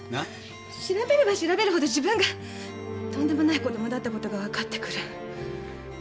調べれば調べるほど自分がとんでもない子供だったことが分かってくる。